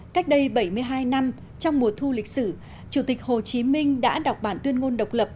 cách đây bảy mươi hai năm trong mùa thu lịch sử chủ tịch hồ chí minh đã đọc bản tuyên ngôn độc lập